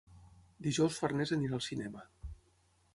Dijous na Farners irà al cinema.